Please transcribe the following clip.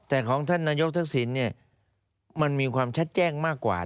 แต่ของท่านนายกทักษิณเนี่ยมันมีความชัดแจ้งมากกว่า